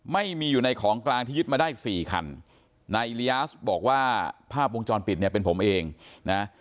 ไม่มีอยู่ในของกลางที่ยึดมาได้สี่คันนายอิริยาสบอกว่าภาพวงจรปิดเนี่ยเป็นผมเองนะ